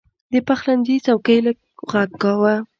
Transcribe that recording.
د پخلنځي څوکۍ لږ غږ کاوه.